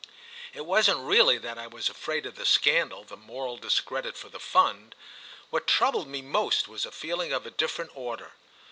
It wasn't really that I was afraid of the scandal, the moral discredit for the Fund; what troubled me most was a feeling of a different order.